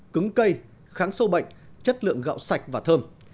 cứng cây kháng sâu bệnh chất lượng gạo sạch và thơm